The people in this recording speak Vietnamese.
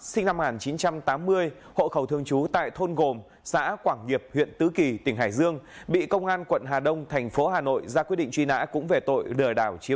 xin chào và hẹn gặp lại